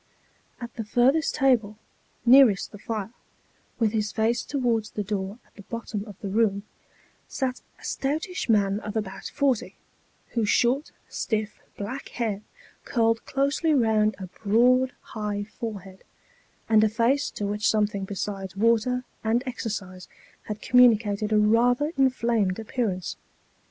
At the furthest table, nearest the fire, with his face towards the door at the bottom of the room, sat a stoutish man of about forty, whose short, stiff, black hair curled closely round a broad high fore head, and a face to which something besides water and exercise had communicated a rather inflamed appearance.